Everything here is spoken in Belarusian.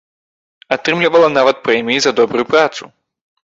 Атрымлівала нават прэміі за добрую працу.